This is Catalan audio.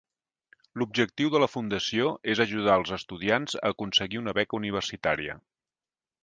L'objectiu de la Fundació és ajudar els estudiants a aconseguir una beca universitària.